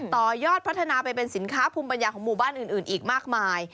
ต่อยอดพัฒนาไปเป็นสินค้าภูมิปัญญาของหมู่บ้านอื่นอีกมากมาย